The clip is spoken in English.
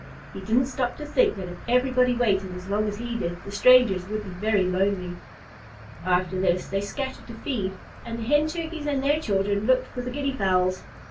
He didn't stop to think that if everybody waited as long as he did, the strangers would be very lonely. After this, they scattered to feed, and the Hen Turkeys and their children looked for the Guinea Fowls.